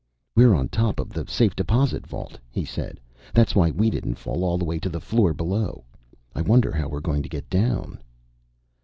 "We're on top of the safe deposit vault," he said. "That's why we didn't fall all the way to the floor below. I wonder how we're going to get down?"